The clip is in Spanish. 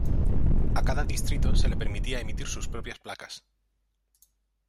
A cada distrito se le permitía emitir sus propias placas.